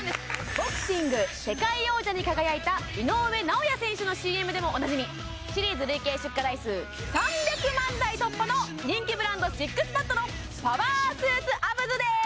ボクシング世界王者に輝いた井上尚弥選手のＣＭでもおなじみシリーズ累計出荷台数３００万台突破の人気ブランドＳＩＸＰＡＤのパワースーツアブズです